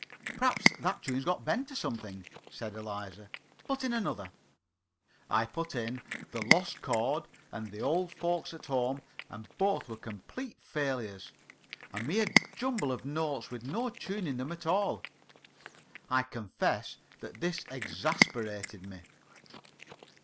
"Perhaps that tune's got bent or something," said Eliza. "Put in another." I put in "The Lost Chord" and "The Old Folks at Home," and both were complete failures a mere jumble of notes, with no tune in them at all. I confess that this exasperated me.